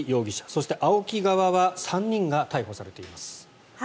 そして、ＡＯＫＩ側は３人が逮捕されています。